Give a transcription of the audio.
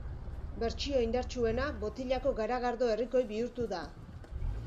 Bertsio indartsuena botilako garagardo herrikoi bihurtu da.